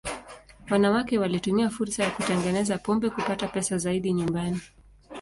Wanawake walitumia fursa ya kutengeneza pombe kupata pesa zaidi nyumbani.